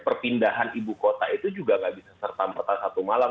perpindahan ibu kota itu juga nggak bisa serta merta satu malam